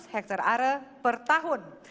tujuh ratus hektare are per tahun